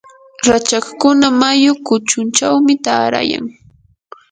rachakkuna mayu kuchunchawmi taarayan.